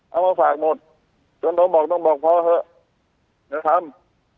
เอามาฝากหมดจนต้องบอกต้องบอกพ่อเถอะอย่าทำ